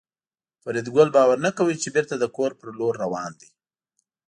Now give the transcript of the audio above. فریدګل باور نه کاوه چې بېرته د کور په لور روان دی